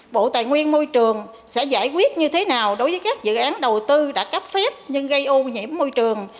bộ tài nguyên môi trường sẽ giải quyết như thế nào đối với các dự án đầu tư đã cấp phép nhưng gây ô nhiễm môi trường